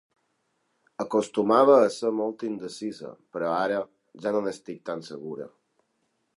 Acostumava a ser molt indecisa, però ara... ja no n’estic tan segura.